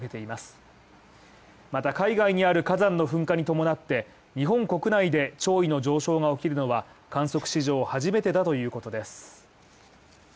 また海外にある火山の噴火に伴って、日本国内で潮位の上昇が起きるのは観測史上初めてだということです。